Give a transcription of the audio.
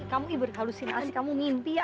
kamu berkalusinasi kamu mimpi ya